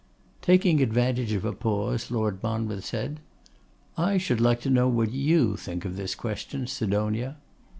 Taking advantage of a pause, Lord Monmouth said, 'I should like to know what you think of this question, Sidonia?